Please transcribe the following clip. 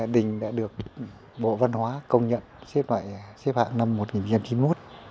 đình đã được bộ văn hóa công nhận xếp hạng năm một nghìn chín trăm chín mươi một